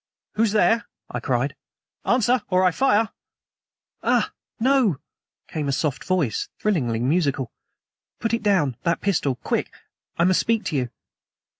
"Who's there?" I cried. "Answer, or I fire!" "Ah! no," came a soft voice, thrillingly musical. "Put it down that pistol. Quick! I must speak to you."